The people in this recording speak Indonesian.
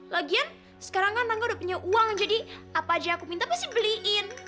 lagian sekarang kan aku udah punya uang jadi apa aja yang aku minta pasti beliin